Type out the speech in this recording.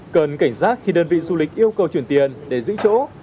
cần cảnh giác khi đơn vị du lịch yêu cầu chuyển tiền để giữ chỗ